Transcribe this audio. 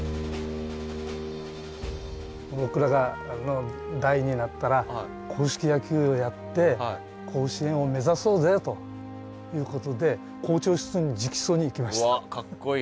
僕らの代になったら硬式野球をやって甲子園を目指そうぜということでうわっかっこいい。